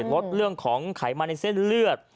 ลดเรื่องของไขมัณฑิเศษเลือด